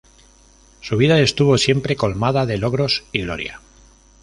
Su vida estuvo siempre colmada de logros y gloria.